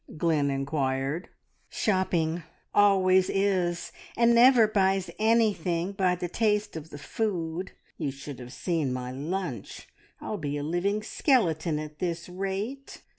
Glynn inquired. "Shopping. Always is. And never buys anything by the taste of the food. You should have seen my lunch! I'll be a living skeleton at this rate."